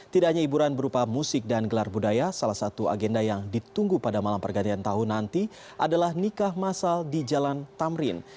tidak hanya hiburan berupa musik dan gelar budaya salah satu agenda yang ditunggu pada malam pergantian tahun nanti adalah nikah masal di jalan tamrin